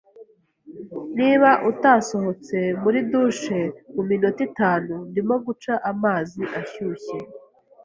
Niba utasohotse muri douche muminota itanu, ndimo guca amazi ashyushye!